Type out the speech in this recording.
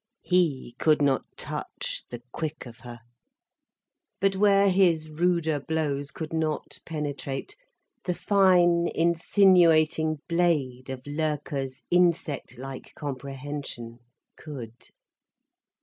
He could not touch the quick of her. But where his ruder blows could not penetrate, the fine, insinuating blade of Loerke's insect like comprehension could.